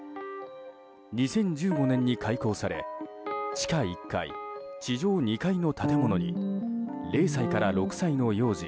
２０１５年に開校され地下１階、地上２階の建物に０歳から６歳の幼児